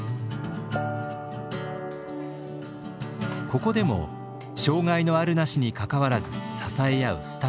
ここでも障害のあるなしにかかわらず支え合うスタッフたち。